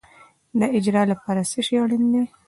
د اجر لپاره څه شی اړین دی؟